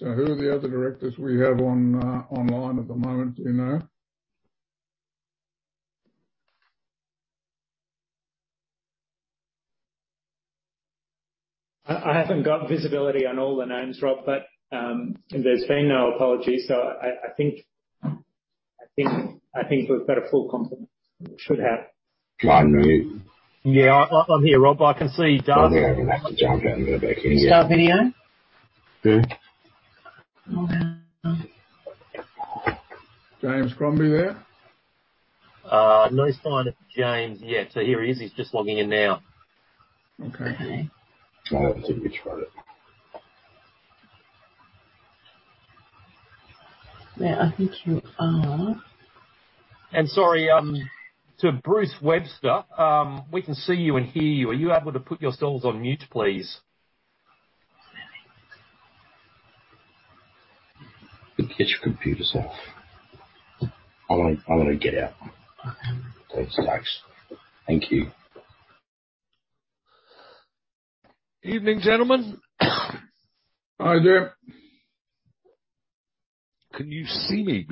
Who are the other directors we have on, online at the moment? Do you know? I haven't got visibility on all the names, Rob, but there's been no apologies. I think we've got a full complement. We should have. Try me. Yeah. I'm here, Rob. I can see Darren. I think I'm gonna have to jump out and go back in again. Can you start video? Yeah. Okay. James Crombie there? No sign of James yet. Here he is. He's just logging in now. Okay. Well, I can see Rich, right? Yeah, I think you are. Sorry to Bruce Webster. We can see you and hear you. Are you able to put yourselves on mute, please? You can get your computer set. I wanna get out. Thanks, guys. Thank you. Evening, gentlemen. Hi, there. Can you see me?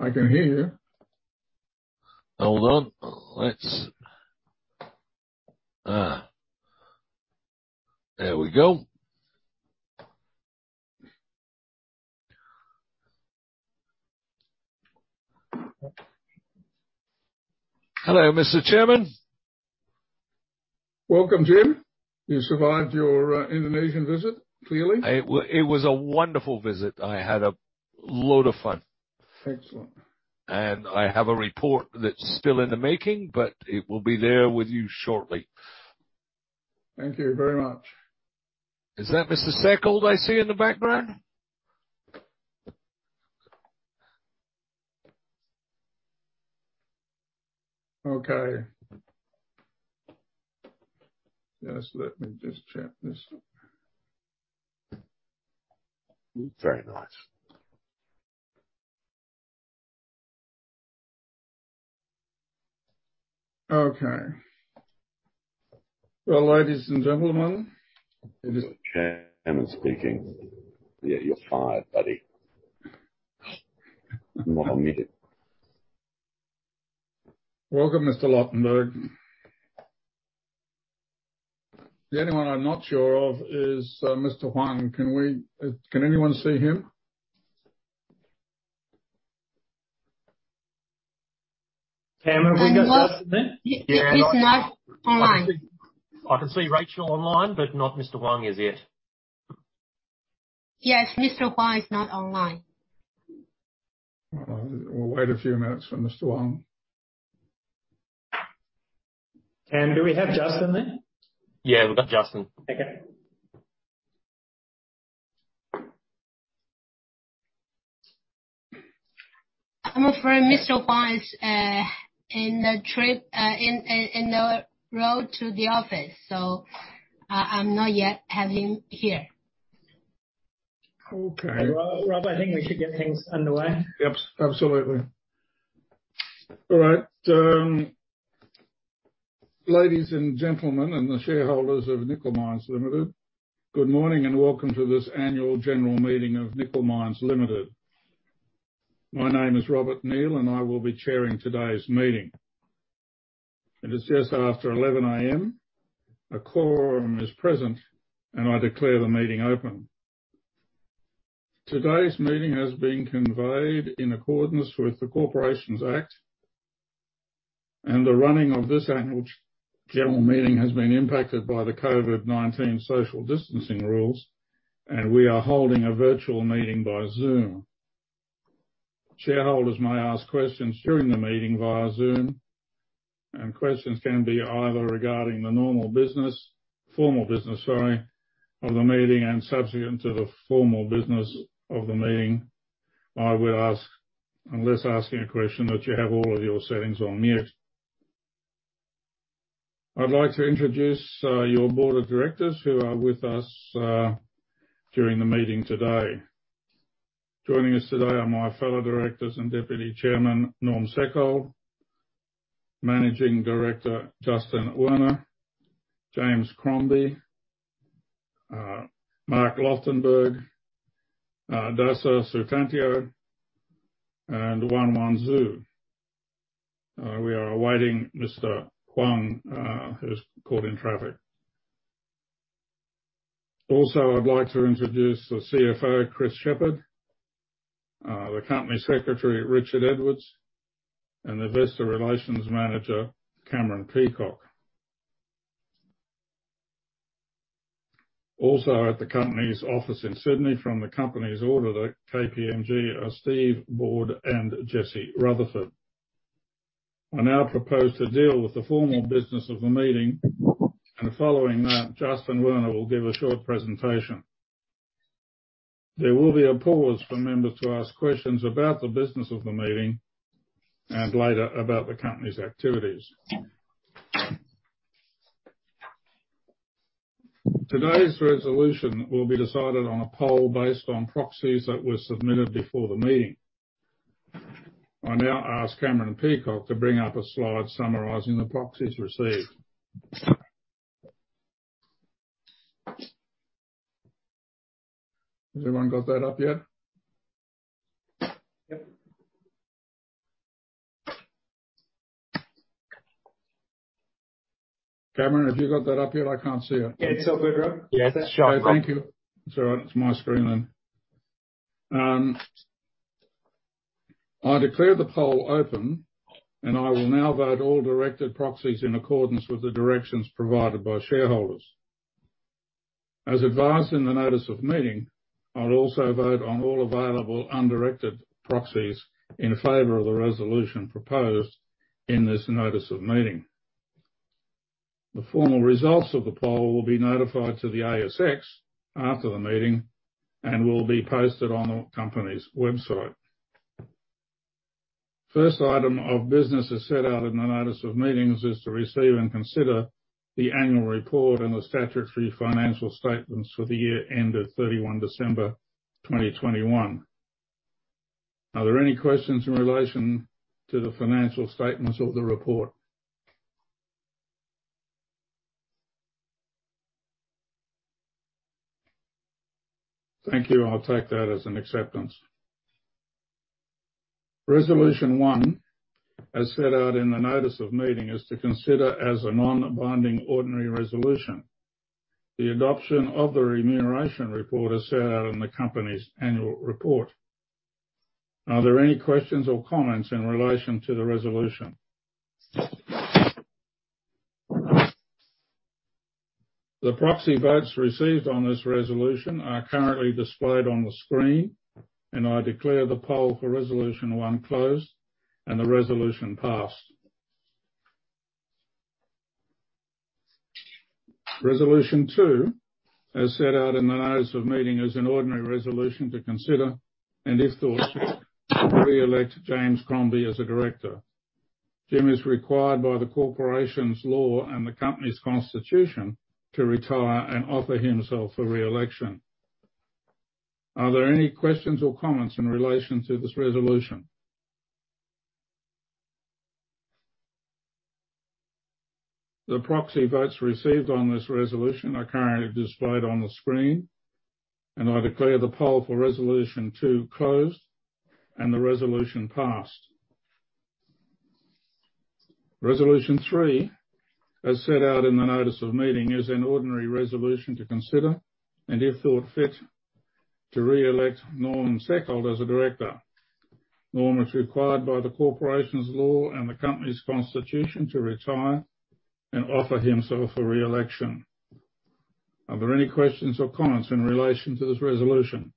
I can hear you. Hold on. There we go. Hello, Mr. Chairman. Welcome, Jim. You survived your Indonesian visit, clearly. It was a wonderful visit. I had a load of fun. Excellent. I have a report that's still in the making, but it will be there with you shortly. Thank you very much. Is that Mr. Seckold I see in the background? Okay. Just let me check this. Very nice. Okay. Well, ladies and gentlemen. Yeah, you're fired, buddy. You're not on mute. Welcome, Mr. Lochtenberg. The only one I'm not sure of is, Mr. Huang. Can anyone see him? Cameron, have we got Justin there? He's not online. I can see Rachel online, but not Mr. Huang as yet. Yes, Mr. Huang is not online. Well, we'll wait a few minutes for Mr. Huang. Do we have Justin there? Yeah. We've got Justin. Okay. I'm afraid Mr. Huang is on a trip, on the road to the office, so I don't yet have him here. Okay. Rob, I think we should get things underway. Yep, absolutely. All right, ladies and gentlemen, and the shareholders of Nickel Industries Limited, good morning and welcome to this annual general meeting of Nickel Industries Limited. My name is Robert Neale, and I will be chairing today's meeting. It is just after 11 A.M. A quorum is present, and I declare the meeting open. Today's meeting has been conveyed in accordance with the Corporations Act, and the running of this annual general meeting has been impacted by the COVID-19 social distancing rules, and we are holding a virtual meeting by Zoom. Shareholders may ask questions during the meeting via Zoom, and questions can be either regarding the formal business, sorry, of the meeting. Subsequent to the formal business of the meeting, I will ask, unless asking a question, that you have all of your settings on mute. I'd like to introduce your board of directors who are with us during the meeting today. Joining us today are my fellow directors and Deputy Chairman, Norm Seckold, Managing Director, Justin Werner, James Crombie, Mark Lochtenberg, Dasa Sutantio, and Xu Yuanyuan. We are awaiting Mr. Huang, who's caught in traffic. Also, I'd like to introduce the CFO, Chris Shepherd, the Company Secretary, Richard Edwards, and the Investor Relations Manager, Cameron Peacock. Also at the company's office in Sydney from the company's auditor, KPMG, are Steve Board and Jesse Rutherford. I now propose to deal with the formal business of the meeting, and following that, Justin Werner will give a short presentation. There will be a pause for members to ask questions about the business of the meeting and later about the company's activities. Today's resolution will be decided on a poll based on proxies that were submitted before the meeting. I now ask Cameron Peacock to bring up a slide summarizing the proxies received. Has everyone got that up yet? Yep. Cameron, have you got that up yet? I can't see it. Yeah, it's up here, Rob. Thank you. It's all right. It's my screen then. I declare the poll open, and I will now vote all directed proxies in accordance with the directions provided by shareholders. As advised in the notice of meeting, I'll also vote on all available undirected proxies in favor of the resolution proposed in this notice of meeting. The formal results of the poll will be notified to the ASX after the meeting and will be posted on the company's website. First item of business as set out in the notice of meetings is to receive and consider the annual report and the statutory financial statements for the year end of 31 December 2021. Are there any questions in relation to the financial statements or the report? Thank you. I'll take that as an acceptance. Resolution one, as set out in the notice of meeting, is to consider, as a non-binding ordinary resolution, the adoption of the remuneration report as set out in the company's annual report. Are there any questions or comments in relation to the resolution? The proxy votes received on this resolution are currently displayed on the screen, and I declare the poll for resolution one closed, and the resolution passed. Resolution two, as set out in the notice of meeting, is an ordinary resolution to consider and if thought fit, re-elect James Crombie as a director. Jim is required by the Corporations law and the company's constitution to retire and offer himself for re-election. Are there any questions or comments in relation to this resolution? The proxy votes received on this resolution are currently displayed on the screen, and I declare the poll for resolution two closed, and the resolution passed. Resolution three, as set out in the notice of meeting, is an ordinary resolution to consider and if thought fit, to re-elect Norman Seckold as a director. Norm is required by the corporations law and the company's constitution to retire and offer himself for re-election. Are there any questions or comments in relation to this resolution?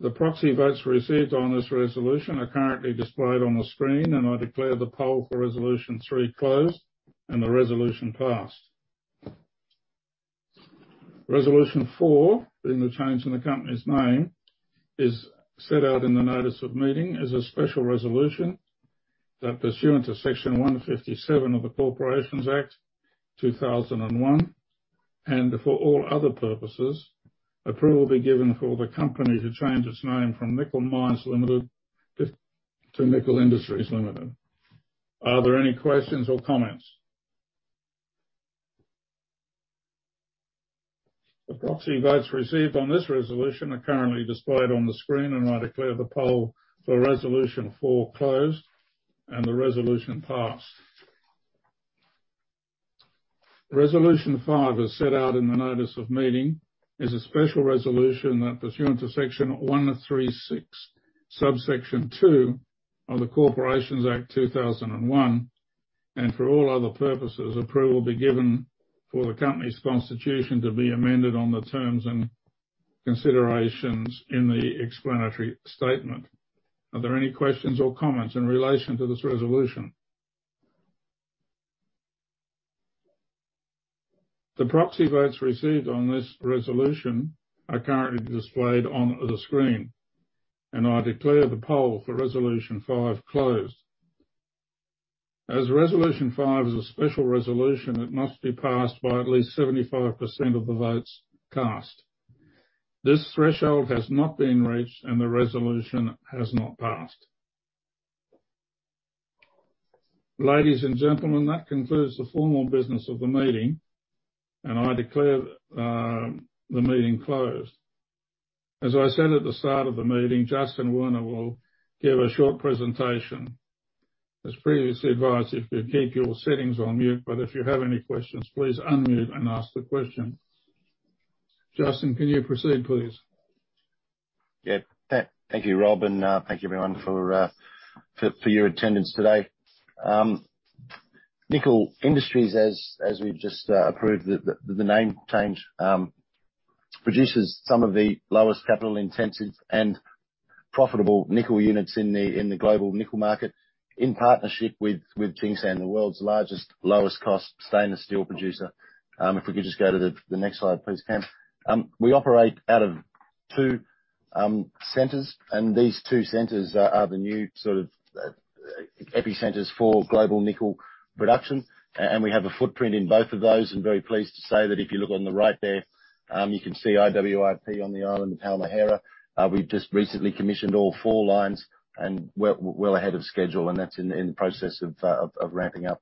The proxy votes received on this resolution are currently displayed on the screen, and I declare the poll for resolution three closed, and the resolution passed. Resolution four, being the change in the company's name, is set out in the notice of meeting, is a special resolution that pursuant to Section 157 of the Corporations Act 2001 and for all other purposes, approval be given for the company to change its name from Nickel Mines Limited to Nickel Industries Limited. Are there any questions or comments? The proxy votes received on this resolution are currently displayed on the screen, and I declare the poll for resolution four closed, and the resolution passed. Resolution five, as set out in the notice of meeting, is a special resolution that pursuant to Section 136(2) of the Corporations Act 2001 and for all other purposes, approval be given for the company's constitution to be amended on the terms and conditions in the explanatory statement. Are there any questions or comments in relation to this resolution? The proxy votes received on this resolution are currently displayed on the screen, and I declare the poll for resolution five closed. As resolution five is a special resolution, it must be passed by at least 75% of the votes cast. This threshold has not been reached and the resolution has not passed. Ladies and gentlemen, that concludes the formal business of the meeting, and I declare the meeting closed. As I said at the start of the meeting, Justin Werner will give a short presentation. As previously advised, if you keep your settings on mute, but if you have any questions, please unmute and ask the question. Justin, can you proceed, please? Yeah. Thank you, Rob, and thank you everyone for your attendance today. Nickel Industries as we've just approved the name change produces some of the lowest capital intensive and profitable nickel units in the global nickel market in partnership with Tsingshan, the world's largest, lowest cost stainless steel producer. If we could just go to the next slide, please, Cam. We operate out of two centers. These two centers are the new sort of epicenters for global nickel production. We have a footprint in both of those. I'm very pleased to say that if you look on the right there, you can see IWIP on the island of Halmahera. We've just recently commissioned all four lines and we're well ahead of schedule, and that's in the process of ramping up.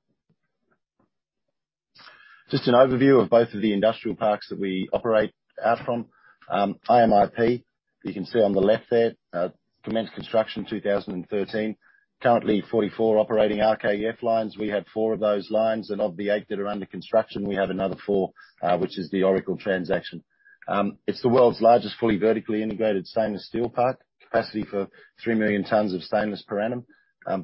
Just an overview of both of the industrial parks that we operate out from. IMIP, you can see on the left there, commenced construction in 2013. Currently 44 operating RKEF lines. We have four of those lines, and of the eight that are under construction, we have another four, which is the Oracle transaction. It's the world's largest fully vertically integrated stainless steel park. Capacity for 3 million tons of stainless per annum.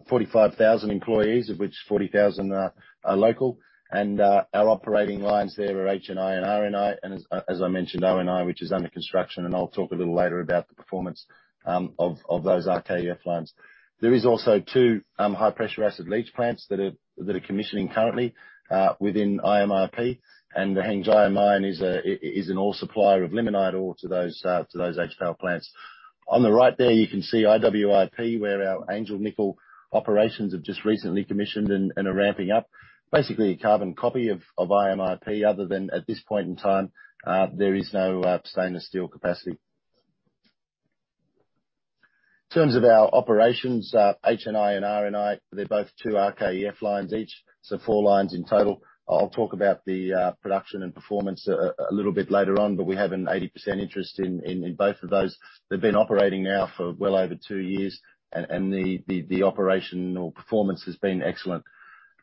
45,000 employees, of which 40,000 are local. Our operating lines there are HNI and RNI, and as I mentioned, RNI, which is under construction, and I'll talk a little later about the performance of those RKEF lines. There is also two high-pressure acid leach plants that are commissioning currently within IMIP, and the Hengjaya mine is an ore supplier of limonite ore to those HPAL plants. On the right there, you can see IWIP, where our Angel Nickel operations have just recently commissioned and are ramping up. Basically a carbon copy of IMIP, other than at this point in time, there is no stainless steel capacity. In terms of our operations, HNI and RNI, they're both two RKEF lines each, so four lines in total. I'll talk about the production and performance a little bit later on, but we have an 80% interest in both of those. They've been operating now for well over two years and the operation or performance has been excellent.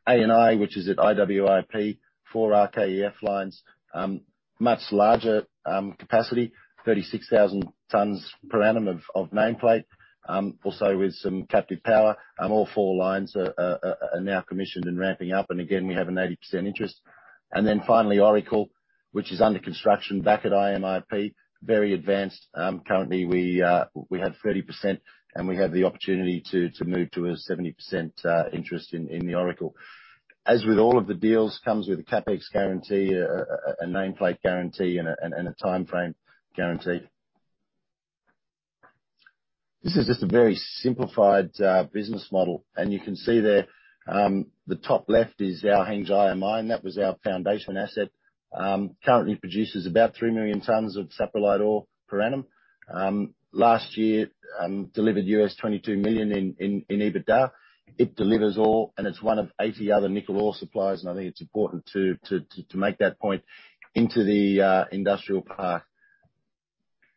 ANI, which is at IWIP, four RKEF lines, much larger capacity, 36,000 tons per annum of nameplate. Also with some captive power. All four lines are now commissioned and ramping up. Again, we have an 80% interest. Finally, Oracle, which is under construction back at IMIP, very advanced. Currently we have 30% and we have the opportunity to move to a 70% interest in the Oracle. As with all of the deals, comes with a CapEx guarantee, a nameplate guarantee and a timeframe guarantee. This is just a very simplified business model. You can see there, the top left is our Hengjaya mine. That was our foundation asset. Currently produces about 3 million tons of saprolite ore per annum. Last year, delivered $22 million in EBITDA. It delivers ore, and it's one of 80 other nickel ore suppliers, and I think it's important to make that point into the industrial park.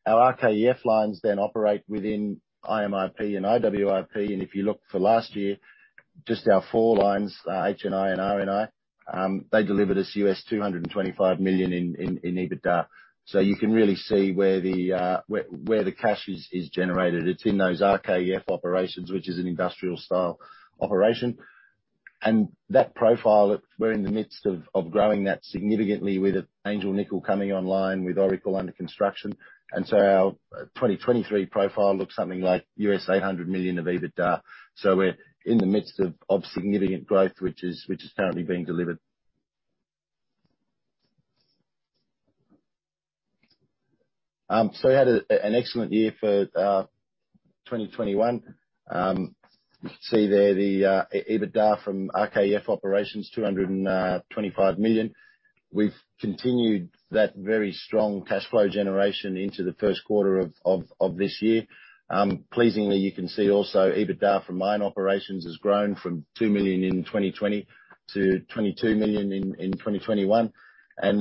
Our RKEF lines then operate within IMIP and IWIP. If you look for last year, just our four lines, HNI and RNI, they delivered us $225 million in EBITDA. You can really see where the cash is generated. It's in those RKEF operations, which is an industrial-style operation. That profile, we're in the midst of growing that significantly with Angel Nickel coming online, with Oracle under construction. Our 2023 profile looks something like $800 million of EBITDA. We're in the midst of significant growth, which is currently being delivered. We had an excellent year for 2021. You can see there the EBITDA from RKEF operations, $225 million. We've continued that very strong cash flow generation into the first quarter of this year. Pleasingly, you can see also EBITDA from mine operations has grown from $2 million in 2020 to $22 million in 2021.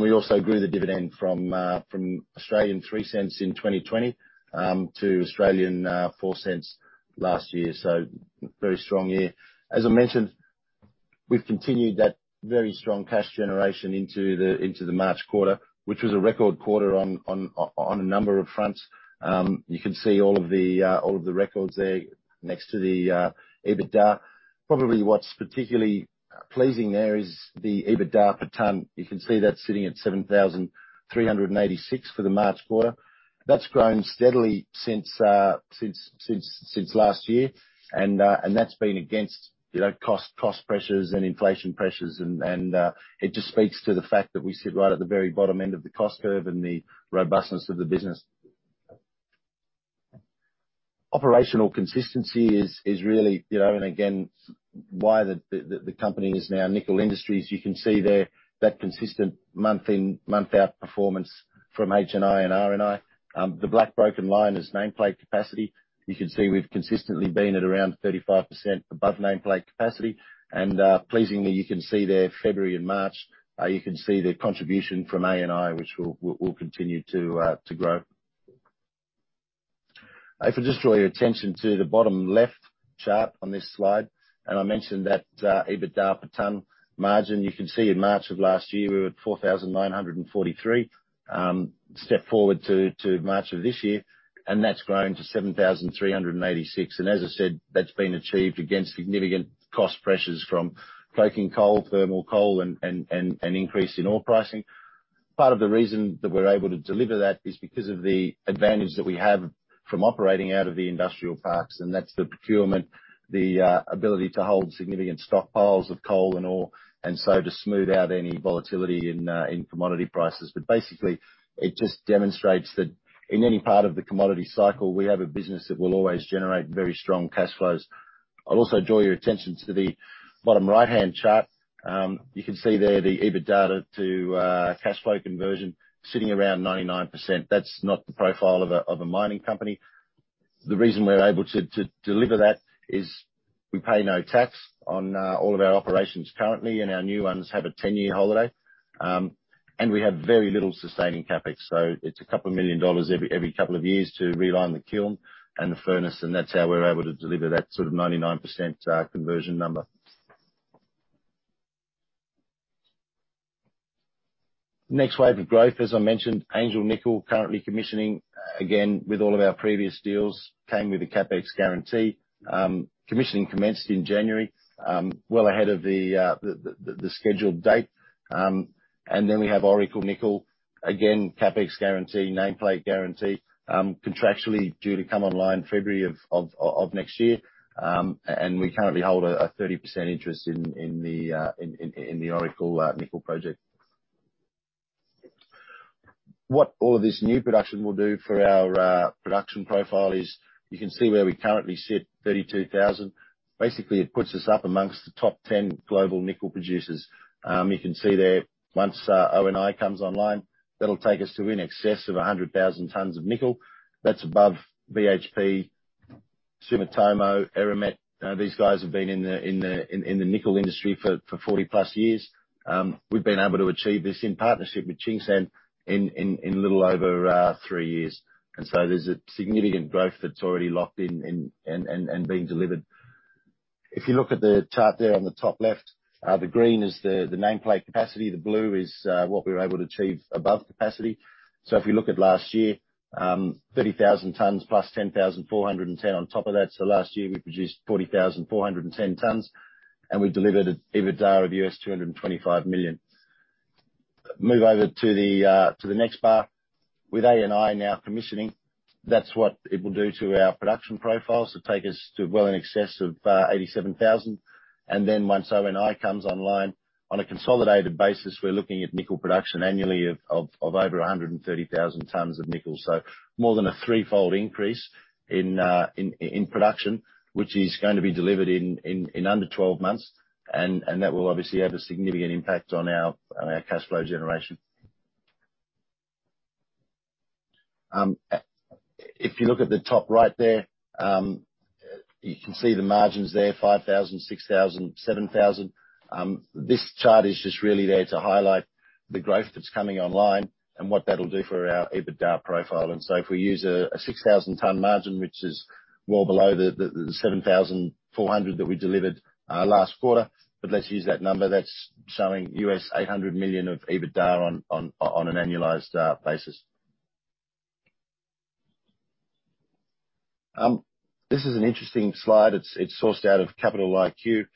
We also grew the dividend from 0.03 in 2020 to 0.04 last year. Very strong year. As I mentioned, we've continued that very strong cash generation into the March quarter, which was a record quarter on a number of fronts. You can see all of the records there next to the EBITDA. Probably what's particularly pleasing there is the EBITDA per ton. You can see that's sitting at $7,386 for the March quarter. That's grown steadily since last year. That's been against, you know, cost pressures and inflation pressures. It just speaks to the fact that we sit right at the very bottom end of the cost curve and the robustness of the business. Operational consistency is really, you know, and again, why the company is now Nickel Industries. You can see there that consistent month-in, month-out performance from HNI and RNI. The black broken line is nameplate capacity. You can see we've consistently been at around 35% above nameplate capacity. Pleasingly, you can see there February and March, you can see the contribution from ANI, which will continue to grow. If I just draw your attention to the bottom left chart on this slide, and I mentioned that, EBITDA per ton margin. You can see in March of last year, we were at $4,943. Step forward to March of this year, and that's grown to $7,386. As I said, that's been achieved against significant cost pressures from coking coal, thermal coal, and an increase in ore pricing. Part of the reason that we're able to deliver that is because of the advantage that we have from operating out of the industrial parks, and that's the procurement, the ability to hold significant stockpiles of coal and oil, and so to smooth out any volatility in commodity prices. Basically, it just demonstrates that in any part of the commodity cycle, we have a business that will always generate very strong cash flows. I'll also draw your attention to the bottom right-hand chart. You can see there the EBITDA to cash flow conversion sitting around 99%. That's not the profile of a mining company. The reason we're able to to deliver that is we pay no tax on all of our operations currently, and our new ones have a ten-year holiday. We have very little sustaining CapEx. It's a couple of million dollars every couple of years to realign the kiln and the furnace, and that's how we're able to deliver that sort of 99% conversion number. Next wave of growth, as I mentioned, Angel Nickel currently commissioning, again, with all of our previous deals came with a CapEx guarantee. Commissioning commenced in January, well ahead of the scheduled date. Then we have Oracle Nickel. Again, CapEx guarantee, nameplate guarantee, contractually due to come online February of next year. We currently hold a 30% interest in the Oracle Nickel project. What all this new production will do for our production profile is you can see where we currently sit, 32,000. Basically, it puts us up amongst the top 10 global nickel producers. You can see there once ONI comes online, that'll take us to in excess of 100,000 tons of nickel. That's above BHP, Sumitomo, Eramet. Now, these guys have been in the nickel industry for 40+ years. We've been able to achieve this in partnership with Tsingshan in little over three years. There's a significant growth that's already locked in and being delivered. If you look at the chart there on the top left, the green is the nameplate capacity, the blue is what we were able to achieve above capacity. If you look at last year, 30,000 tons +10,410 on top of that. Last year, we produced 40,410 tons, and we delivered an EBITDA of $225 million. Move over to the next bar. With ANI now commissioning, that's what it will do to our production profile, so take us to well in excess of 87,000. Then once ANI comes online, on a consolidated basis, we're looking at nickel production annually of over 130,000 tons of nickel. More than a three fold increase in production, which is going to be delivered in under 12 months. That will obviously have a significant impact on our cash flow generation. If you look at the top right there, you can see the margins there, $5,000, $6,000, $7,000. This chart is just really there to highlight the growth that's coming online and what that'll do for our EBITDA profile. If we use a $6,000 ton margin, which is well below the $7,400 that we delivered last quarter, but let's use that number that's showing $800 million of EBITDA on an annualized basis. This is an interesting slide. It's sourced out of Capital IQ.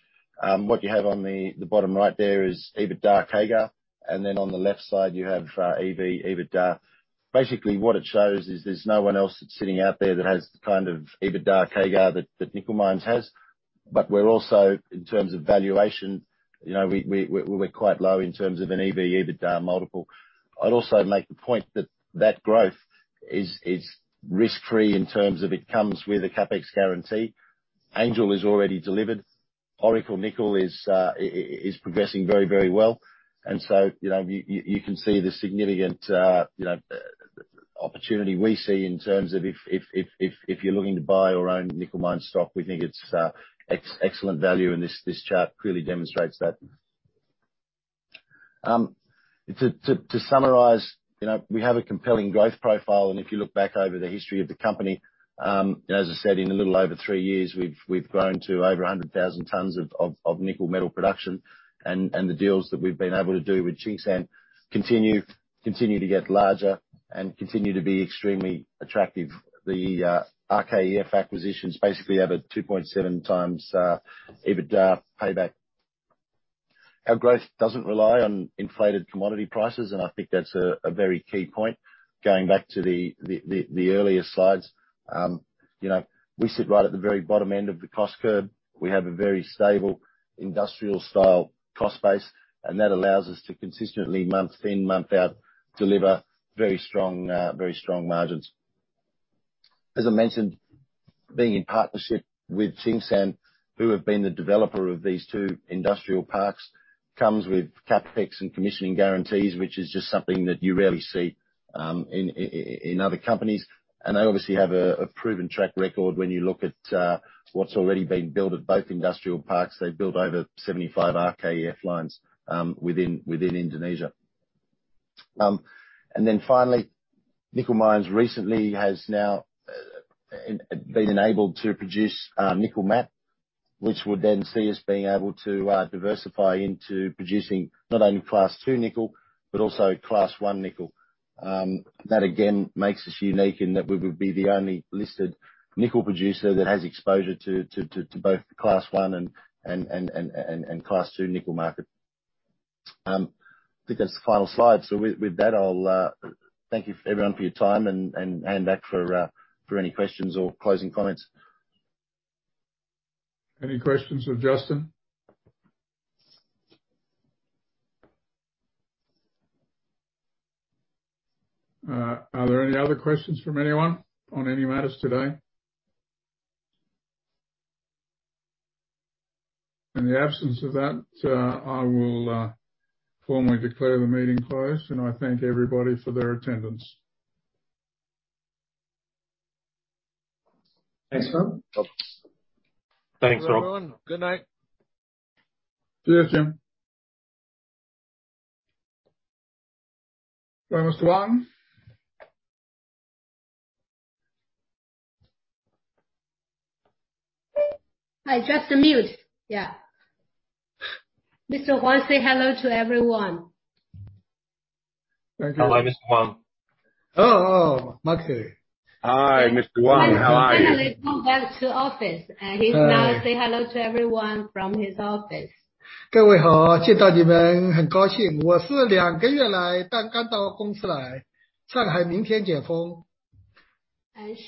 What you have on the bottom right there is EBITDA CAGR, and then on the left side, you have EV/EBITDA. Basically, what it shows is there's no one else that's sitting out there that has the kind of EBITDA CAGR that Nickel Mines has. But we're also, in terms of valuation, you know, we're quite low in terms of an EV/EBITDA multiple. I'd also make the point that that growth is risk-free in terms of it comes with a CapEx guarantee. Angel is already delivered. Oracle Nickel is progressing very well. You know, you can see the significant opportunity we see in terms of if you're looking to buy or own Nickel Mine stock, we think it's excellent value, and this chart clearly demonstrates that. To summarize, you know, we have a compelling growth profile, and if you look back over the history of the company, as I said, in a little over three years, we've grown to over 100,000 tons of nickel metal production. The deals that we've been able to do with Tsingshan continue to get larger and continue to be extremely attractive. The RKEF acquisition's basically at a 2.7x EBITDA payback. Our growth doesn't rely on inflated commodity prices, and I think that's a very key point. Going back to the earlier slides, you know, we sit right at the very bottom end of the cost curve. We have a very stable industrial style cost base, and that allows us to consistently, month in, month out, deliver very strong margins. As I mentioned, being in partnership with Tsingshan, who have been the developer of these two industrial parks, comes with CapEx and commissioning guarantees, which is just something that you rarely see in other companies. They obviously have a proven track record when you look at what's already been built at both industrial parks. They've built over 75 RKEF lines within Indonesia. Finally, Nickel Mines recently has now been enabled to produce nickel matte, which would then see us being able to diversify into producing not only Class two nickel, but also Class one nickel. That again makes us unique in that we would be the only listed nickel producer that has exposure to both the Class one and Class two nickel market. I think that's the final slide. With that, I'll thank you everyone for your time and hand back for any questions or closing comments. Any questions for Justin? Are there any other questions from anyone on any matters today? In the absence of that, I will formally declare the meeting closed, and I thank everybody for their attendance. Thanks, Rob. Thanks. Thanks, Rob. Everyone, good night. See you, Jim. Where is Wang? Hi. Just unmute. Yeah. Mr Wang, say hello to everyone. Very good. Hello, its Wang. Oh. Oh, Matthew. Hi, Haijun Wang. How are you? Finally come back to office, and he's now say hello to everyone from his office. Say hello to.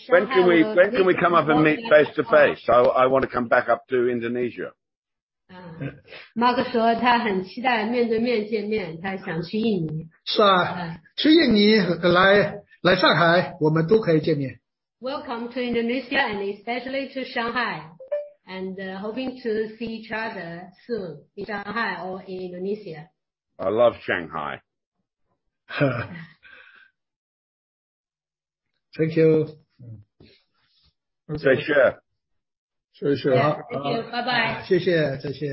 When can we come up and meet face to face? I wanna come back up to Indonesia. Welcome to Indonesia and especially to Shanghai, hoping to see each other soon in Shanghai or in Indonesia. I love Shanghai. Thank you. Yeah. Thank you. Bye-bye.